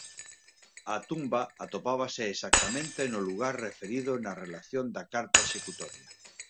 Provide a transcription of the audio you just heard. A tumba atopábase exactamente no lugar referido na Relación da Carta Executoria.